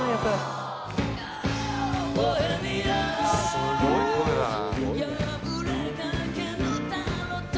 「すごい声だな」